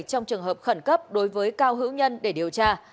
trong trường hợp khẩn cấp đối với cao hữu nhân để điều tra